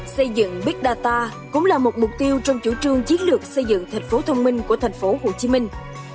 xây dựng big data cũng là một mục tiêu trong chủ trương chiến lược xây dựng thành phố thông minh của thành phố hồ chí minh